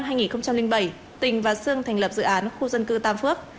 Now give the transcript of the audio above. vào năm hai nghìn bảy tình và sương thành lập dự án khu dân cư tam phước